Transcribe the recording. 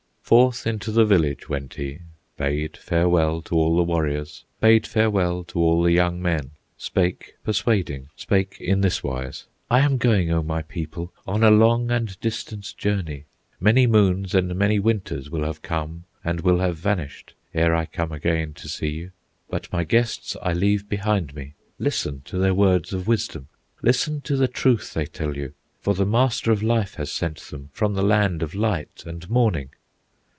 Forth into the village went he, Bade farewell to all the warriors, Bade farewell to all the young men, Spake persuading, spake in this wise: "I am going, O my people, On a long and distant journey; Many moons and many winters Will have come, and will have vanished, Ere I come again to see you. But my guests I leave behind me; Listen to their words of wisdom, Listen to the truth they tell you, For the Master of Life has sent them From the land of light and morning!"